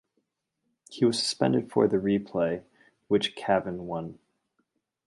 He was suspended for the replay which Cavan won.